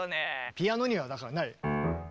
ピアノにはだからない。